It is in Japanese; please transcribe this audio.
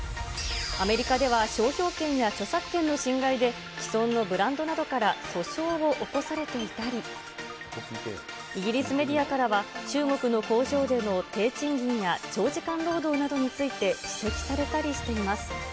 アメリカでは商標権や著作権の侵害で、既存のブランドなどから訴訟を起こされていたり、イギリスメディアからは、中国の工場での低賃金や長時間労働などについて指摘されたりしています。